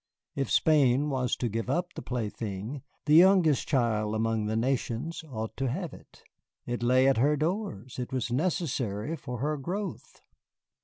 If Spain was to give up the plaything, the Youngest Child among the Nations ought to have it. It lay at her doors, it was necessary for her growth.